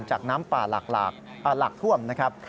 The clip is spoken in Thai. น้ำป่าหลักท่วมนะครับ